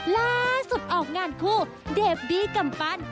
ล่าสุดออกงานคู่เดบบี้กำปั้น